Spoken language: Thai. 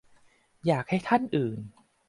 อยากให้ท่านอื่น